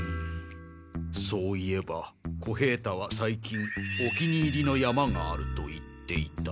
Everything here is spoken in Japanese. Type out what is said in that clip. そういえば小平太は最近お気に入りの山があると言っていた。